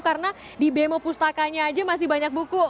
karena di bemo pustakanya aja masih banyak buku